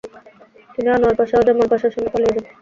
তিনি আনোয়ার পাশা ও জামাল পাশার সাথে পালিয়ে যান।